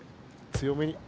強めに。